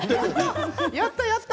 やった、やった。